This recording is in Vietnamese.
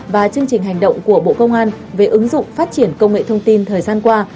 và chương trình hành động của bộ công an về ứng dụng phát triển công nghệ thông tin thời gian qua